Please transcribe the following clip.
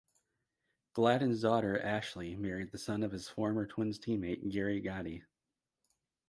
Gladden's daughter Ashley married the son of his former Twins teammate Gary Gaetti.